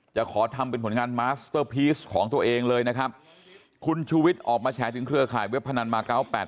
จะขอทำเป็นผลงานมาสเตอร์พีชของตัวเองเลยนะครับคุณชูวิทย์ออกมาแฉถึงเครือข่ายเว็บพนันมาเก้าแปด